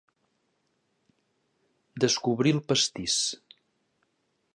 Descobrir el pastís.